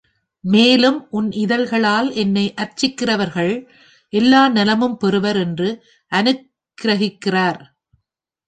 மேலும் உன் இதழ்களால் என்னை அர்ச்சிக்கிறவர்கள் எல்லா நலமும் பெறுவர் என்று அனுக்கிரகிக்கிறார்.